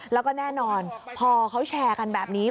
แล้วก็แน่นอนพอเขาแชร์กันแบบนี้